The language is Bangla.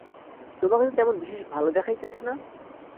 তোমাকে তো তেমন বিশেষ ভালো দেখাইতেছে না।